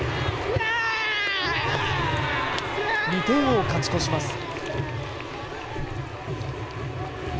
２点を勝ち越します。